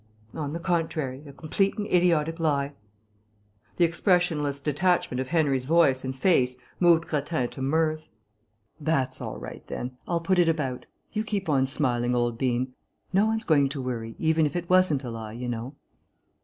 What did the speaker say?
"On the contrary, a complete and idiotic lie." The expressionless detachment of Henry's voice and face moved Grattan to mirth. "That's all right, then; I'll put it about. You keep on smiling, old bean. No one's going to worry, even if it wasn't a lie, you know."